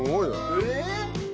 えっ！